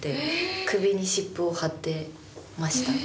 首に湿布を貼ってました。